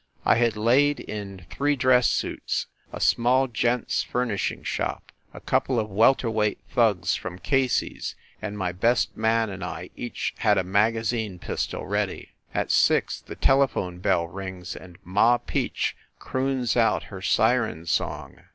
I had laid in three dress suits, a small gent s furnishing shop, a couple of welter weight thugs from Casey s, and my best man and I each had a magazine pistol ready. At six the telephone bell rings and Ma Peach croons out her siren song.